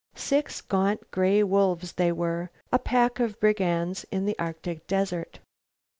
Six gaunt gray wolves they were, a pack of brigands in the Arctic desert.